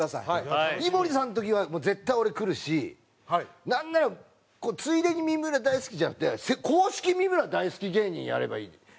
井森さんの時は絶対俺来るしなんならついでに三村大好きじゃなくて公式三村大好き芸人やればいい。